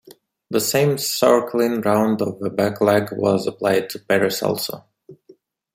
The same circling round of the back leg was applied to parries also.